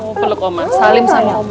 peluk oma salim sama oma